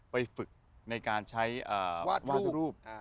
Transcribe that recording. ไปฝึกในการใช้วาดรูป